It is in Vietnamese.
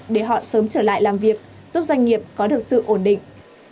để họ sớm trở lại làm việc giúp doanh nghiệp có được sự ổn định